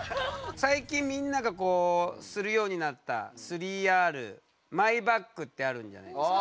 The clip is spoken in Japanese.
最近みんながするようになった３Ｒマイバッグってあるじゃないですか。